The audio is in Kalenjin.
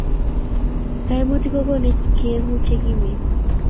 kaimutik ko konech kengu che kimen